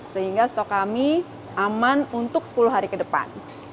sehingga stok kami aman untuk sepuluh hari ke depan